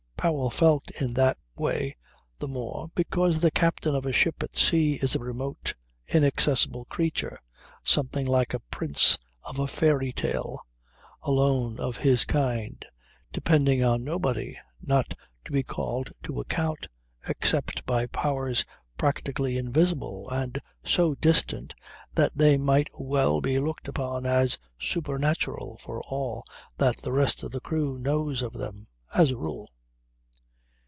Powell felt in that way the more because the captain of a ship at sea is a remote, inaccessible creature, something like a prince of a fairy tale, alone of his kind, depending on nobody, not to be called to account except by powers practically invisible and so distant, that they might well be looked upon as supernatural for all that the rest of the crew knows of them, as a rule.